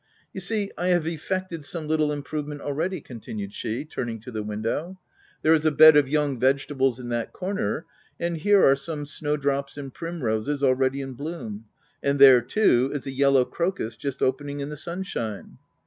You see I have effected some little im provement already/' continued she, turning to the window. u There is a bed of young vege 118 THE TENANT tables in that corner, and here are some snow drops and primroses already in bloom — and there, too, is a yellow crocus just opening in the sunshine."